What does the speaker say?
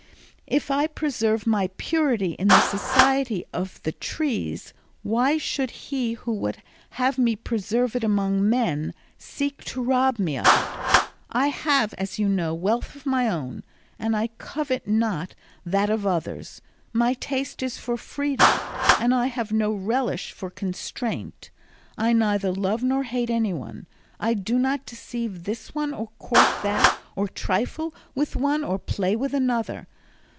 If I preserve my purity in the society of the trees, why should he who would have me preserve it among men, seek to rob me of it? I have, as you know, wealth of my own, and I covet not that of others; my taste is for freedom, and I have no relish for constraint; I neither love nor hate anyone; I do not deceive this one or court that, or trifle with one or play with another.